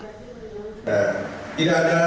tidak ada lain yang tidak berhasil